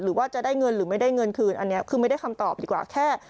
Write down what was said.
หรือว่าจะได้เงินหรือไม่ได้เงินคืนอันนี้คือไม่ได้คำตอบดีกว่าแค่